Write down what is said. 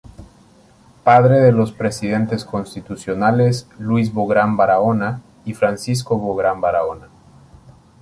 Padre de los presidentes constitucionales Luis Bográn Barahona y Francisco Bográn Barahona.